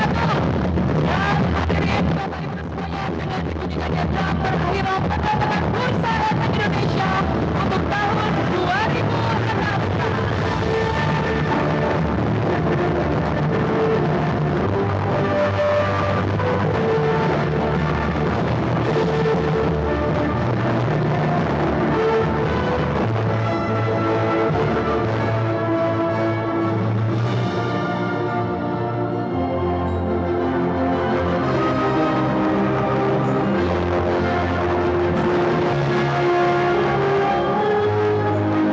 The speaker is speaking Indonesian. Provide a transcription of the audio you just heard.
dan bapak ibu lainnya untuk melakukan penabuhan floor tom drum